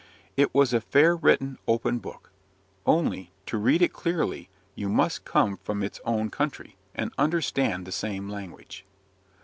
It was a fair written, open book; only, to read it clearly, you must come from its own country, and understand the same language.